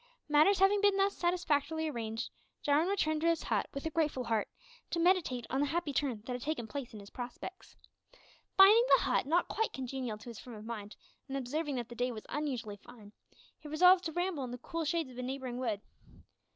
Matters having been thus satisfactorily arranged, Jarwin returned to his hut with a grateful heart, to meditate on the happy turn that had taken place in his prospects. Finding the hut not quite congenial to his frame of mind, and observing that the day was unusually fine, he resolved to ramble in the cool shades of a neighbouring wood.